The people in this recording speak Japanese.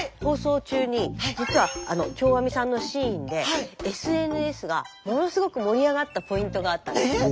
放送中に実は長阿彌さんのシーンでＳＮＳがものすごく盛り上がったポイントがあったんです。